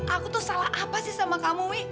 aku tuh salah apa sih sama kamu mi